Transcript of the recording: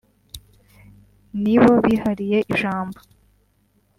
ni bo bihariye ijambo